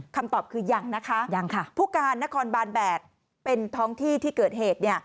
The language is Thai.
คำตอบคือยังนะคะยังค่ะผู้การนครบาน๘เป็นท้องที่ที่เกิดเหตุ